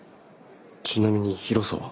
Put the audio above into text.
ちなみに広さは。